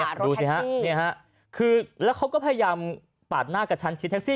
ขวารถแท็กซี่คือแล้วเขาก็พยายามปัดหน้ากับชั้นชิดแท็กซี่